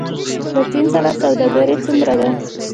له چین سره سوداګري څومره ده؟